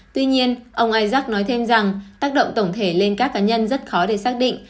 tuy nhiên ông azak nói thêm rằng tác động tổng thể lên các cá nhân rất khó để xác định